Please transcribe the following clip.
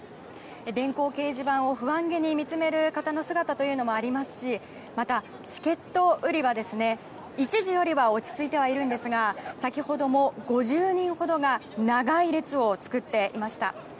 電光掲示板を不安げに見つめる方の姿もありますしまたチケット売り場は一時より落ち着いてはいますが先ほども５０人ほどが長い列を作っていました。